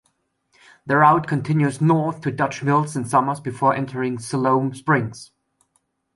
The route continues north to Dutch Mills and Summers before entering Siloam Springs.